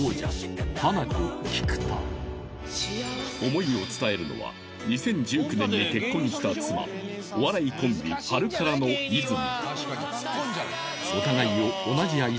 思いを伝えるのは２０１９年に結婚した妻お笑いコンビハルカラの和泉